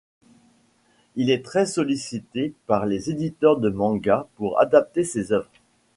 Il est très sollicité par les éditeurs de manga pour adapter ses œuvres.